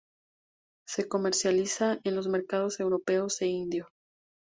Se comercializa en los mercados europeos e indio.